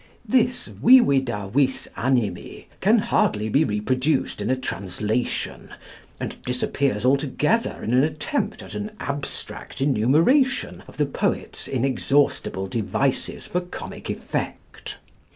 This vivida vis animi can hardly be reproduced in a translation, and disappears altogether in an attempt at an abstract enumeration of the poet's inexhaustible devices for comic effect.